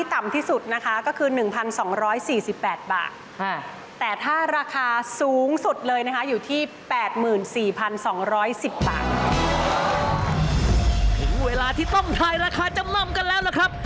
เวลาที่ต้องทายราคาจำนำกันแล้วล่ะครับ